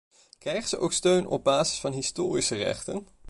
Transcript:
Krijgen zij ook steun op basis van historische rechten?